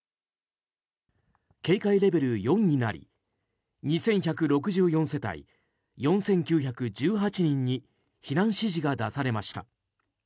警戒レベル４になり２１６４世帯４９１８人に避難指示が出されました。